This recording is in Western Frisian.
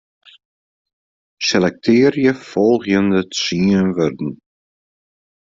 Selektearje folgjende tsien wurden.